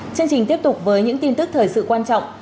chương trình tiếp tục với những tin tức thời sự quan trọng